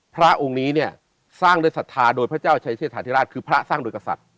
พระองค์นี้เนี่ยสร้างด้วยศรัทธาโดยพระเจ้าชัยเชษฐาธิราชคือพระสร้างโดยกษัตริย์